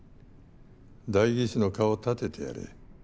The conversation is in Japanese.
代議士の顔立ててやれ。